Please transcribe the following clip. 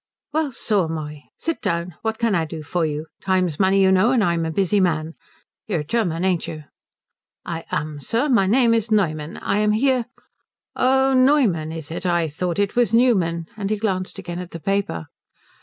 "Well, so am I. Sit down. What can I do for you? Time's money, you know, and I'm a busy man. You're German, ain't you?" "I am, sir. My name is Neumann. I am here " "Oh, Noyman, is it? I thought it was Newman." And he glanced again at the paper.